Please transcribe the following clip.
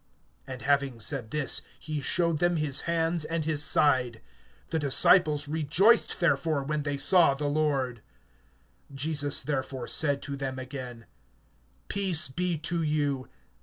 (20)And having said this, he showed them his hands and his side. The disciples rejoiced therefore, when they saw the Lord. (21)Jesus therefore said to them again: Peace be to you.